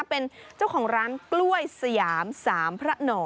เป็นเจ้าของร้านกล้วยสยามสามพระหน่อ